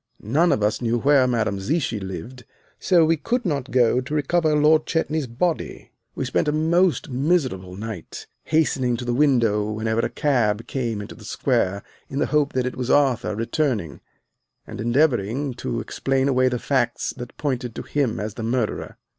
None of us knew where Madame Zichy lived, so we could not go to recover Lord Chetney's body. We spent a most miserable night, hastening to the window whenever a cab came into the square, in the hope that it was Arthur returning, and endeavoring to explain away the facts that pointed to him as the murderer.